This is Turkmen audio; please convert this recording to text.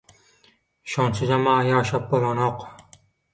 Şonsuzama ýaşap bolanok.